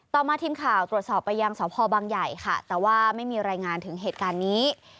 ต่อมาทีมข่าวตรวจสอบไปยังสพบังใหญ่ค่ะแต่ว่าไม่มีรายงานถึงเหตุการณ์นี้